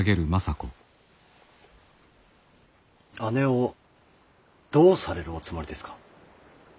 姉をどうされるおつもりですか。